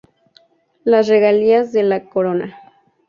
Las regalías de la Corona.